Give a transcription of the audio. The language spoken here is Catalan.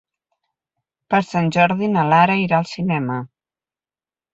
Per Sant Jordi na Lara irà al cinema.